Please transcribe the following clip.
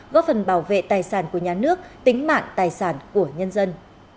góp phần bảo vệ tài sản của nhà nước tính mạng tài sản của nhân dân